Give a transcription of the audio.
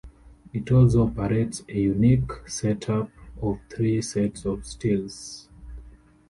It also operates a unique set-up of three sets of stills.